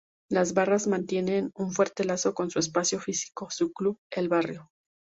Los "Barras" mantienen un fuerte lazo con su espacio físico, su club, el barrio.